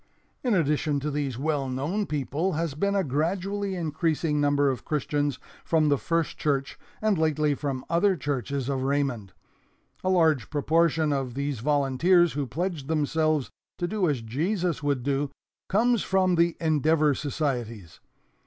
"In addition to these well known people has been a gradually increasing number of Christians from the First Church and lately from other churches of Raymond. A large proportion of these volunteers who pledged themselves to do as Jesus would do comes from the Endeavor societies.